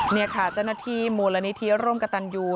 นี่ค่ะจัดหน้าที่มวลณิเทียรมกตันอยู่